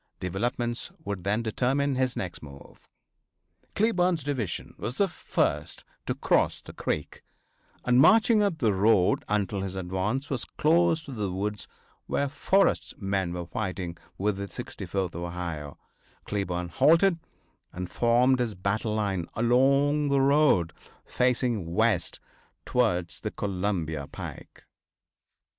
Developments would then determine his next move. Cleburne's division was the first to cross the creek, and marching up the road until his advance was close to the woods where Forrest's men were fighting with the 64th Ohio, Cleburne halted and formed his battle line along the road facing west towards the Columbia pike.